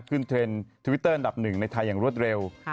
เทรนด์ทวิตเตอร์อันดับหนึ่งในไทยอย่างรวดเร็ว